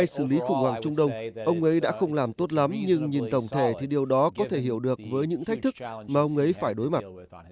xử lý khủng hoảng trung đông ông ấy đã không làm tốt lắm nhưng nhìn tổng thể thì điều đó có thể hiểu được với những thách thức mà ông ấy phải đối mặt